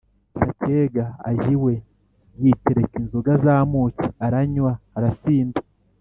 Sacyega ajya iwe, yitereka inzoga z'amuki, aranywa arasinda.